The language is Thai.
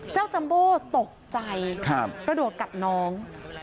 เจ้าจำโบ่ตกใจแล้วโดดกัดน้อง